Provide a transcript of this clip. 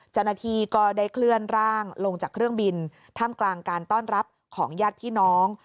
เจ้าหน้าที่ก็ได้เคลื่อนร่างลงจากเครื่องบินท่ามกลางการต้อนรับของญาติพี่น้อง